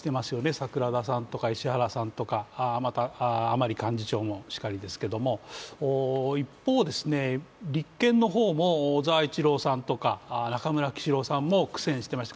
桜田さんとか、石原さんとか、また甘利幹事長もしかりですけど一方で立憲の方も小沢一郎さんとか中村喜四郎さんも苦戦していました。